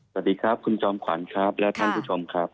สวัสดีครับคุณจอมขวัญครับและท่านผู้ชมครับ